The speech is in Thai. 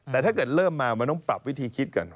แต่ถ้าเกิดเริ่มมามันต้องปรับวิธีคิดก่อน